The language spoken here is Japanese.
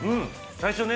最初ね、